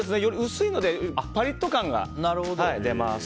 薄いのでパリッと感が出ます。